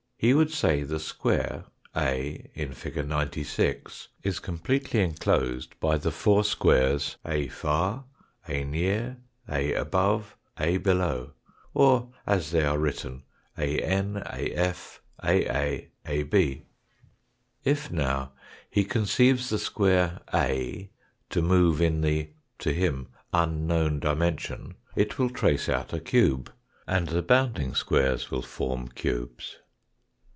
He would say the square A, in Fig. 96, is completely enclosed by the four squares, A far, A near, A above, A below, or as they are written ATI, A/, Aa, Ab. If now he conceives the square A to move in the, to him, unknown dimension it will trace out a cube, and the bounding squares will form cubes.